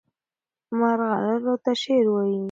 مرغلرو ته شعر وایي.